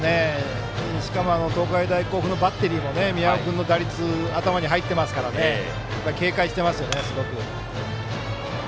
しかも東海大甲府のバッテリーも宮尾君の打率が頭に入っていますから警戒していますね。